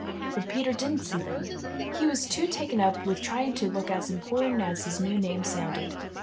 But Peter didn't see them. He was too much taken up with trying to look as important as his new name sounded.